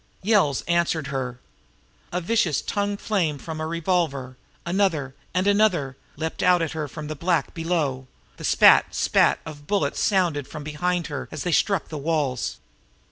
Yells answered her. A vicious tongue flame from a revolver, another and another, leaped out at her from the black below; the spat, spat of bullets sounded from behind her as they struck the walls.